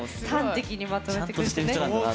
端的にまとめてくれてね。